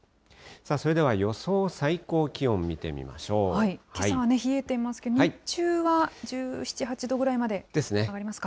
それでは予想最高気温見てみましけさは冷えていますけれども、日中は１７、８度ぐらいまで上がりますか。